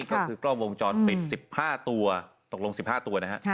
ก็คือกล้องวงจรปิด๑๕ตัวตกลง๑๕ตัวนะฮะ